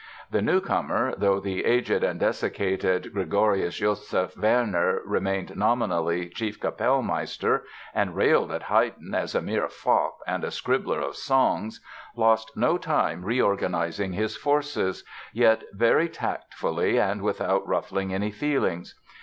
The newcomer, though the aged and desiccated Gregorius Joseph Werner remained nominally chief Capellmeister and railed at Haydn as "a mere fop" and a "scribbler of songs", lost no time reorganizing his forces, yet very tactfully and without ruffling any feelings.